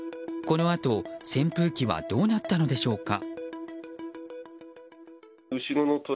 このあと、扇風機はどうなったのでしょうか。